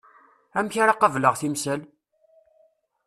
Amek ara qableɣ timsal?